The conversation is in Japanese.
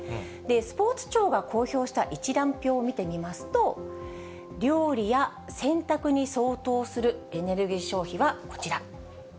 スポーツ庁が公表した一覧表を見てみますと、料理や洗濯に相当するエネルギー消費はこちら。